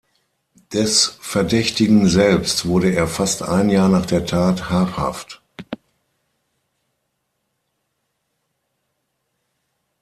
Des Verdächtigten selbst wurde er fast ein Jahr nach der Tat habhaft.